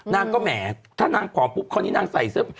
น้ำก็แหมถ้าน้ำผอมปุ๊บคนนี้น้ำใส่เสื้อ